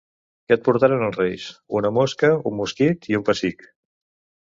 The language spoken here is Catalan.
Què et portaran els Reis? —Una mosca, un mosquit i un pessic.